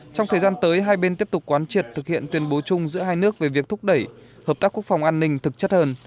trong thời gian tới hai bên tiếp tục quán triệt thực hiện tuyên bố chung giữa hai nước về việc thúc đẩy hợp tác quốc phòng an ninh thực chất hơn